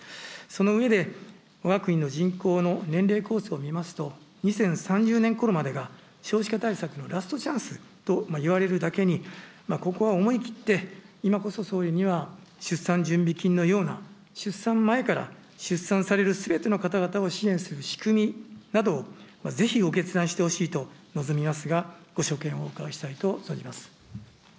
その上で、わが国の人口の年齢構成を見ますと、２０３０年ころまでが少子化対策のラストチャンスといわれるだけに、ここは思い切って、今こそ総理には出産準備金のような出産前から、出産されるすべての方々を支援する仕組みなどをぜひご決断してほしいと望みますが、ご所見をお伺いしたいと存じます。